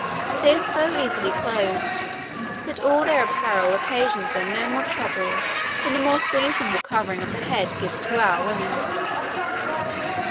They are so easily clothed that all their apparel occasions them no more trouble than the more seasonable covering of the head gives to our women.